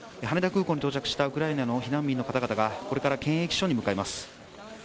羽田空港に到着したウクライナの避難民の方々がこれから検疫所に向かいます。